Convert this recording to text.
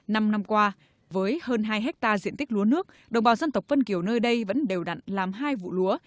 năm năm qua với hơn hai hectare diện tích lúa nước đồng bào dân tộc vân kiều nơi đây vẫn đều đặn làm hai vụ lúa